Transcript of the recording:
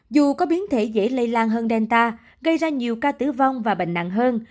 dù có biến thể dễ lây lan hơn delta gây ra nhiều ca tử vong và bệnh nặng hơn